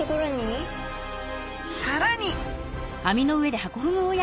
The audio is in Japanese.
さらに！